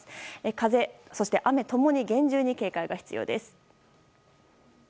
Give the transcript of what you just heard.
風、そして雨ともに厳重な警戒が必要です。